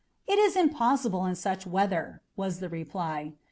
"It is impossible in such weather," was the reply.